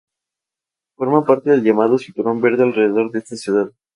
Forma parte del llamado "Cinturón Verde" alrededor de esta ciudad.